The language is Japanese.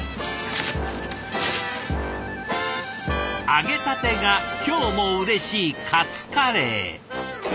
揚げたてが今日もうれしいカツカレー。